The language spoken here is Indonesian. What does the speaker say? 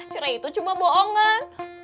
cerai itu cuma boongan